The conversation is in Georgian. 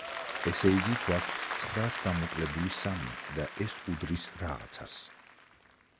ესე იგი, გვაქვს ცხრას გამოკლებული სამი და ეს უდრის „რაღაცას“.